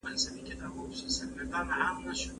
هر وګړی باید د خپلې ټولنې په وړاندې بیدار وي.